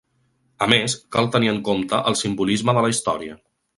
A més, cal tenir en compte el simbolisme de la història.